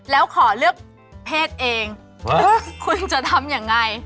แล้วขอเลือกเพศเองว่าคุณจะทำยังไง